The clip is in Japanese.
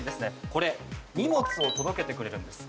これ、荷物を届けてくれるんです。